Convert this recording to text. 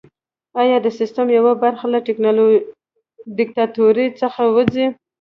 ایا د سیستم یوه برخه له دیکتاتورۍ څخه وځي؟